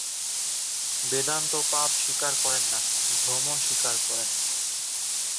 বেদান্ত পাপ স্বীকার করেন না, ভ্রম স্বীকার করেন।